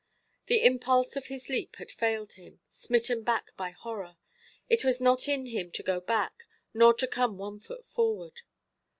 The impulse of his leap had failed him, smitten back by horror; it was not in him to go back, nor to come one foot forward.